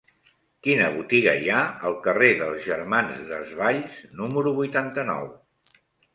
Quina botiga hi ha al carrer dels Germans Desvalls número vuitanta-nou?